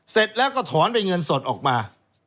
เสร็จแล้วก็ถอนเป็นเงินสดออกมา